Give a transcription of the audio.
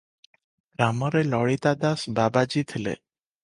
ଗ୍ରାମରେ ଲଳିତା ଦାସ ବାବାଜି ଥିଲେ ।